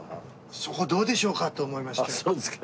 そこどうでしょうか？と思いまして。